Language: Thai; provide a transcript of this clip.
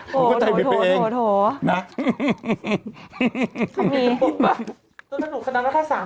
ผมก็ใจผิดไปเองนะนะนะหน้า